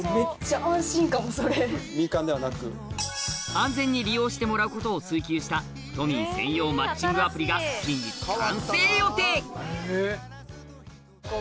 安全に利用してもらうことを追求した都民専用マッチングアプリが近日完成予定